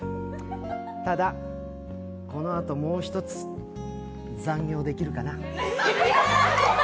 ただ、このあともう一つ、残業できるかな。